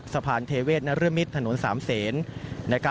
สะพานเทเวศนรมิตถนนสามเซน